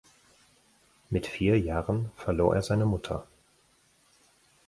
Mit vier Jahren verlor er seine Mutter.